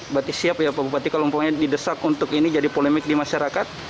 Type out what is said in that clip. bapak siap ya bupati kalau di desak untuk ini jadi polemik di masyarakat